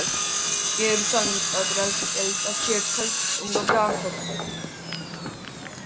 იერუსალიმის პატრიარქი წელიწადში ერთხელ სტუმრობდა ამ სოფლებს.